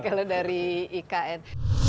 kalau dari ikn